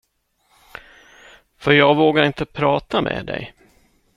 För jag vågar inte prata med dig.